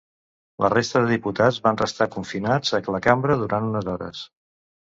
La resta de diputats van restar confinats a la cambra durant unes hores.